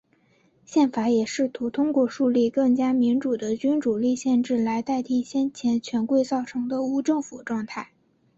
宪法也试图通过树立更加民主的君主立宪制来替代先前权贵造成的无政府状态。